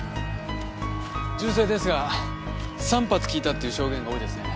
銃声ですが３発聞いたっていう証言が多いですね。